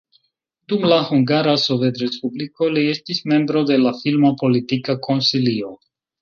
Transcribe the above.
Dum la Hungara Sovetrespubliko li estis membro de la filma politika konsilio.